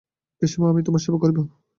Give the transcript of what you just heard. পিসিমা, আমি তোমার সেবা করিব।